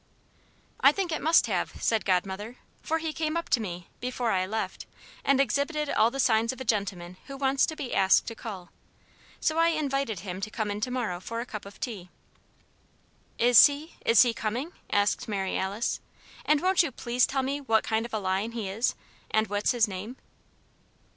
"I think it must have," said Godmother, "for he came up to me, before I left, and exhibited all the signs of a gentleman who wants to be asked to call. So I invited him to come in to morrow for a cup of tea." "Is he is he coming?" asked Mary Alice, "and won't you please tell me what kind of a lion he is, and what's his name?"